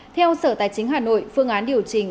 theo sở tài chính hà nội phương án điều chỉnh